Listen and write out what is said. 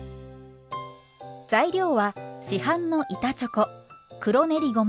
材料は市販の板チョコ黒練りごま